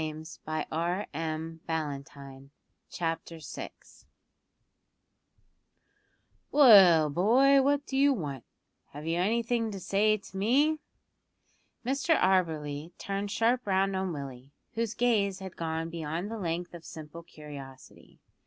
CHAPTER SIX. "WHEN ONE IS ANOTHER WHO IS WHICH?" "Well, boy, what do you want? Have you anything to say to me?" Mr Auberly turned sharp round on Willie, whose gaze had gone beyond the length of simple curiosity.